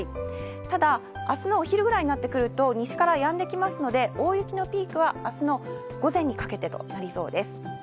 ただ、あすのお昼ぐらいになってくると、西からやんできますので、大雪のピークはあすの午前にかけてとなりそうです。